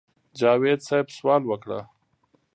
جاوېد صېب سوال وکړۀ